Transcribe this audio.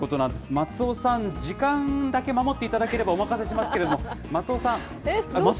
松尾さん、時間だけ守っていただければ、お任せしますけれども、松尾さん？